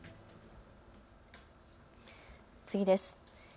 次です。